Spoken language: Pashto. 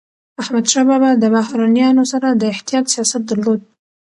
احمدشاه بابا د بهرنيانو سره د احتیاط سیاست درلود.